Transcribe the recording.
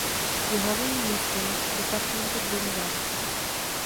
Je hlavním městem departementu Bolívar.